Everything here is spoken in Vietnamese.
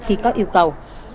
khi có yêu cầu